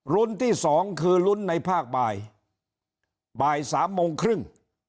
ที่สองคือลุ้นในภาคบ่ายบ่ายสามโมงครึ่ง